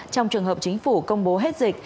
trong trường hợp chính phủ công bố hết dịch